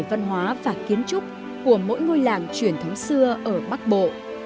văn hóa và kiến trúc của mỗi ngôi làng truyền thống xưa ở bắc bộ